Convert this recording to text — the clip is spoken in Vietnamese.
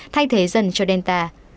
thay thế dần cho delta